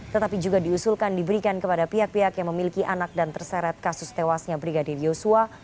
tetapi juga diusulkan diberikan kepada pihak pihak yang memiliki anak dan terseret kasus tewasnya brigadir yosua